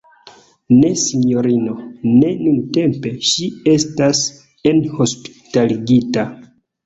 Ne sinjorino, ne nuntempe, ŝi estas enhospitaligita.